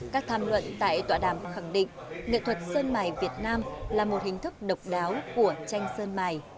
các tham luận tại tọa đàm khẳng định nghệ thuật sơn mài việt nam là một hình thức độc đáo của tranh sơn mài